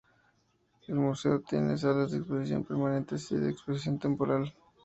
El museo tiene salas de exposición permanentes y de exposición temporal.